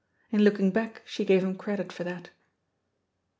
In looking back, she gave him credit for that.